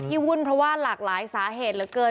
วุ่นเพราะว่าหลากหลายสาเหตุเหลือเกิน